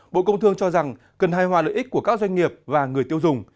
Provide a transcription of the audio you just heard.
bộ công thương cho rằng cần hai hòa lợi ích của các doanh nghiệp và người tiêu dùng